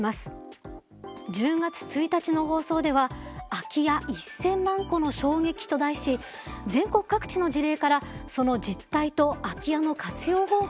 １０月１日の放送では「空き家１０００万戸の衝撃」と題し全国各地の事例からその実態と空き家の活用方法をお伝えします。